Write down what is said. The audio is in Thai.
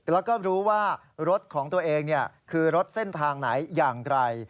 แล้วก็รู้ว่ารถของตัวเองคือรถเส้นทางไหนอย่างไร